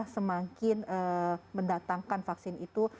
semakin mendatangkan vaksin itu